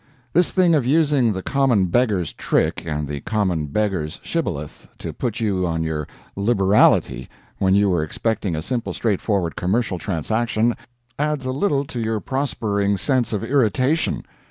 This thing of using the common beggar's trick and the common beggar's shibboleth to put you on your liberality when you were expecting a simple straightforward commercial transaction, adds a little to your prospering sense of irritation.